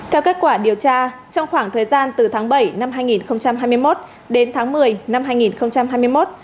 theo kết quả điều tra trong khoảng thời gian từ tháng bảy năm hai nghìn hai mươi một đến tháng một mươi năm hai nghìn hai mươi một